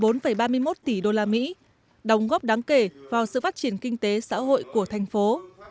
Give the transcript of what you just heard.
tổng vốn đầu tư gần bảy ba mươi một tỷ đô la mỹ đóng góp đáng kể vào sự phát triển kinh tế xã hội của thành phố